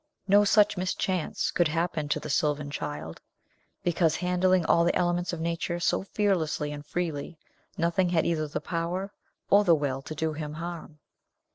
No such mischance could happen to the sylvan child because, handling all the elements of nature so fearlessly and freely, nothing had either the power or the will to do him harm.